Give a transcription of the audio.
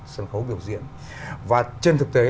sân khấu biểu diễn và trên thực tế